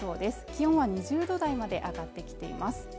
気温は２０度台まで上がってきています